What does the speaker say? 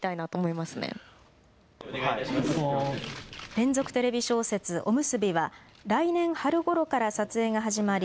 連続テレビ小説、おむすびは来年春ごろから撮影が始まり